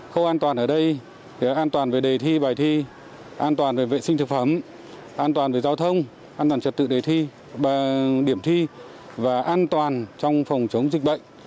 khâu an toàn ở đây an toàn về đề thi bài thi an toàn về vệ sinh thực phẩm an toàn về giao thông an toàn trật tự đề thi điểm thi và an toàn trong phòng chống dịch bệnh